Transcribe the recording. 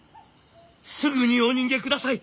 すぐにお逃げください。